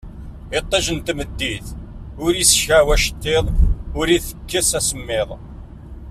Itij n tmeddit ur iskaw acettiḍ ur itekkes asemmiḍ